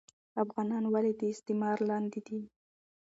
افغانان ولي د استعمار لاندي دي